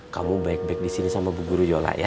kamu baik baik disini sama bu guru yola ya